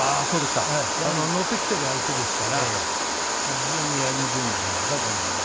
乗ってきている相手ですから非常にやりにくいんじゃないかなと思います。